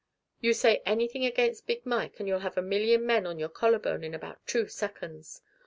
You say anything against Big Mike and you'll have a million men on your collarbone in about two seconds.